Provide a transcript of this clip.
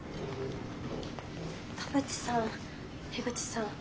田渕さん口さん